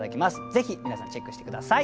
ぜひ皆さんチェックして下さい。